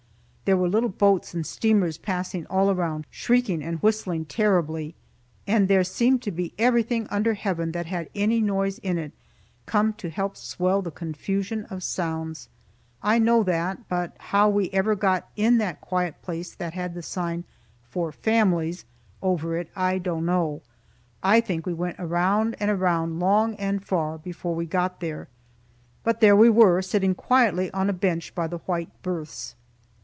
There were little boats and steamers passing all around, shrieking and whistling terribly. And there seemed to be everything under heaven that had any noise in it, come to help swell the confusion of sounds. I know that, but how we ever got in that quiet place that had the sign "For Families" over it, I don't know. I think we went around and around, long and far, before we got there. But there we were, sitting quietly on a bench by the white berths.